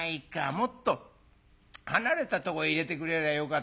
もっと離れたとこ入れてくれりゃよかったのに。